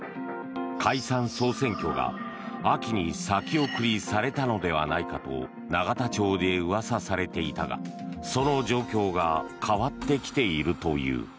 解散・総選挙が秋に先送りされたのではないかと永田町で噂されていたがその状況が変わってきているという。